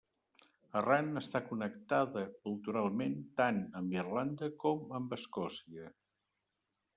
Arran està connectada culturalment tant amb Irlanda com amb Escòcia.